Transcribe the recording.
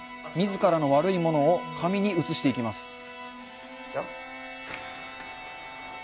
みずからの悪いものを紙に移していきます。